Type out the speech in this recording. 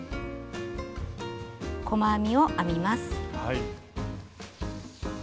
細編みを編みます。